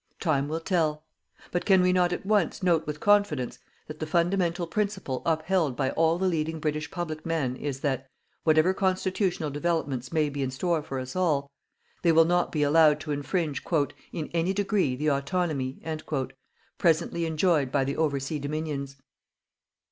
Time will tell. But can we not at once note with confidence that the fundamental principle upheld by all the leading British public men is that, whatever constitutional developments may be in store for us all, they will not be allowed to infringe "in any degree the autonomy" presently enjoyed by the Oversea Dominions.